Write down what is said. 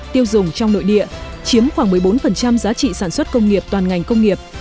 tiêu dùng trong nội địa chiếm khoảng một mươi bốn giá trị sản xuất công nghiệp toàn ngành công nghiệp